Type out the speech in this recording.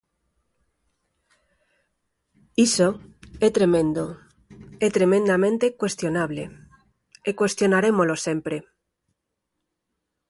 Iso é tremendo, e tremendamente cuestionable, e cuestionarémolo sempre.